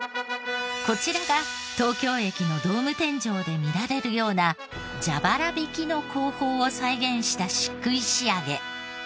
こちらが東京駅のドーム天井で見られるような蛇腹引きの工法を再現した漆喰仕上げ。